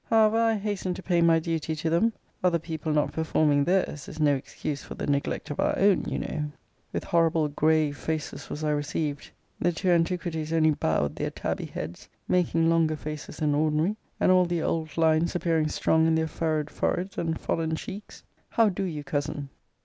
However, I hastened to pay my duty to them other people not performing theirs, is no excuse for the neglect of our own, you know. And now I enter upon my TRIAL. With horrible grave faces was I received. The two antiquities only bowed their tabby heads; making longer faces than ordinary; and all the old lines appearing strong in their furrowed foreheads and fallen cheeks; How do you, Cousin?